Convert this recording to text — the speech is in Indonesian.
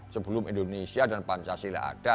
sebelum indonesia dan pancasila ada